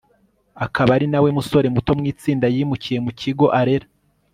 akaba ari nawe musore muto mu itsinda, yimukiye mu kigo, arera